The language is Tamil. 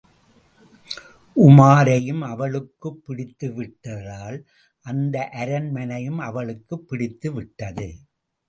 உமாரையும் அவளுக்குப் பிடித்து விட்டதால், அந்த அரண்மனையும் அவளுக்குப் பிடித்துவிட்டது.